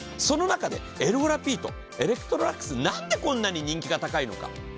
その中でエルゴラピードエレクトロラックスなんでこんなに人気が高いのか。